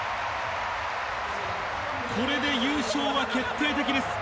これで優勝は決定的です。